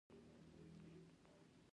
پښتونستان د لوی افغانستان برخه ده